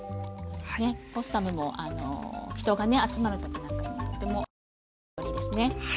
ポッサムも人がね集まる時なんかにもとてもいいお料理ですね。